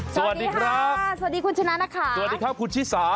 สวัสดีครับสวัสดีคุณชนะนะคะสวัสดีครับคุณชิสา